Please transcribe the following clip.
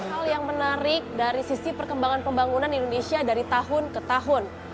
hal yang menarik dari sisi perkembangan pembangunan indonesia dari tahun ke tahun